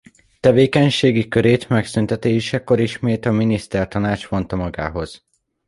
Tevékenységi körét megszüntetésekor ismét a Minisztertanács vonta magához.